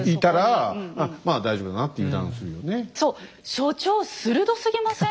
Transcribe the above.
所長鋭すぎません？